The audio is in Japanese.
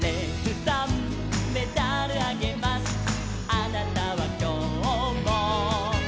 「あなたはきょうも」